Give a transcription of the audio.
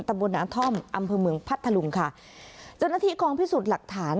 ตรรมนาท่อมอำเภอเมืองพัทธลุงค่ะจนที่ความพิสูจน์หลักฐาน